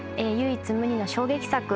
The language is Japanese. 唯一無二の衝撃作。